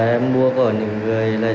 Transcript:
em mua của những người